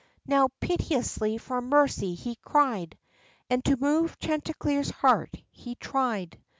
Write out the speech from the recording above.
Now, piteously, for mercy he cried, And to move Chanticleer's heart he tried.